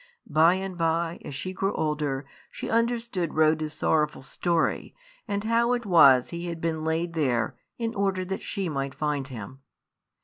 By and by, as she grew older, she understood Rhoda's sorrowful story, and how it was he had been laid there in order that she might find him.